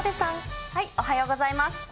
おはようございます。